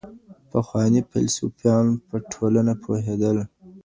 پخوانی فیلسوفان په ټولنه پوهیدل.